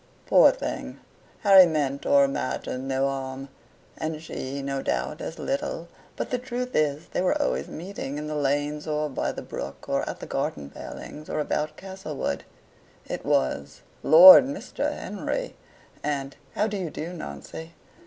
Poor thing, Harry meant or imagined no harm; and she, no doubt, as little, but the truth is they were always meeting in the lanes, or by the brook, or at the garden palings, or about Castlewood: it was, "Lord, Mr. Henry!" and "how do you do, Nancy?"